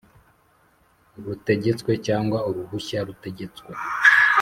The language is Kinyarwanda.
rutegetswe cyangwa uruhushya rutegetswe